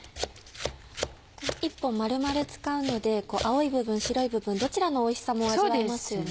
１本丸々使うので青い部分白い部分どちらのおいしさも味わえますよね。